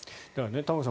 玉川さん